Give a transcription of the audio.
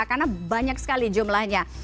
karena banyak sekali jumlahnya